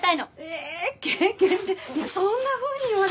ええっ経験っていやそんなふうに言われても。